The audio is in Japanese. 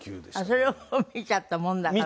それを見ちゃったもんだから。